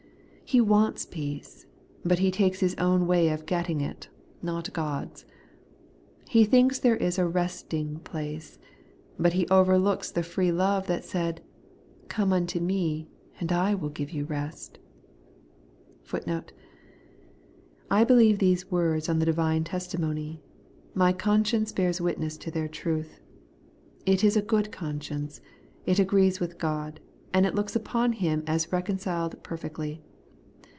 He wants peace ; but he takes his own way of getting it, not God's. He thinks there is a resting place ; but he overlooks the free love that said, ' Come unto me, and I will give you rest.' '* I believe these words on the divine testimony. My conscience bears witness to their truth. It is a good conscience ; it agrees with God ; and looks upon Him as reconciled perfectly.